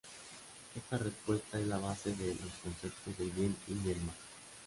Esta respuesta es la base de los conceptos del bien y el mal.